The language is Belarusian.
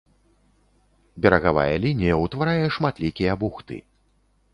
Берагавая лінія ўтварае шматлікія бухты.